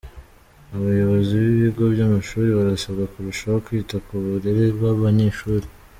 Abayobozi b’ibigo by’amashuri barasabwa kurushaho kwita ku burere bw’abanyeshuri